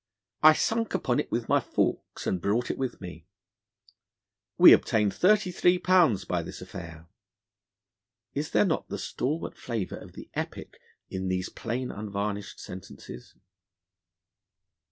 'I sunk upon it with my forks and brought it with me'; 'We obtained thirty three pounds by this affair' is there not the stalwart flavour of the epic in these plain, unvarnished sentences?